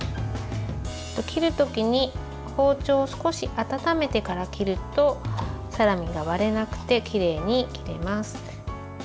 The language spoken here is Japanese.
切るときに包丁を少し温めてから切るとサラミが割れなくてきれいに切れます。